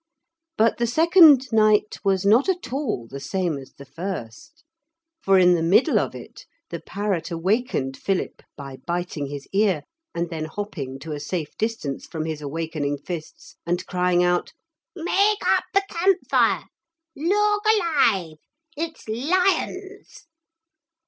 But the second night was not at all the same as the first. For in the middle of it the parrot awakened Philip by biting his ear, and then hopping to a safe distance from his awakening fists and crying out, 'Make up the camp fire look alive. It's lions.'